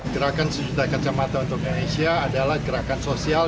gerakan sejuta kacamata untuk indonesia adalah gerakan sosial